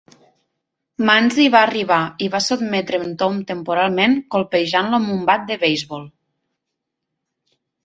Manzi va arribar i va sotmetre en Tom temporalment colpejant-lo amb un bat de beisbol.